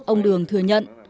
ông đường thừa nhận